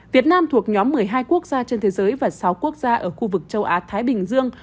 việt nam thuộc nhóm một mươi hai quốc gia trên thế giới và sáu quốc gia ở khu vực châu á thái bình dương